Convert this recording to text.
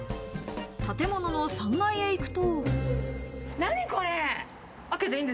建物の３階へ行くと。